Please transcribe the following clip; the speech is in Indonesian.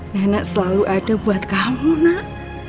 nenek selalu ada buat kamu nak